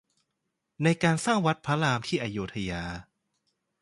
ในการสร้างวัดพระรามที่อโยธยา